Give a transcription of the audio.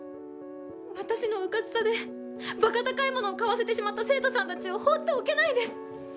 私のうかつさで馬鹿高いものを買わせてしまった生徒さんたちを放っておけないです！